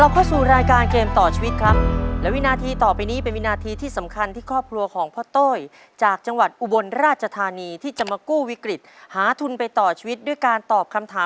เพื่อชิงทุนไปต่อชีวิตสูงสุด๑ล้านบาท